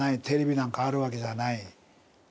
テレビなんかあるわけじゃない。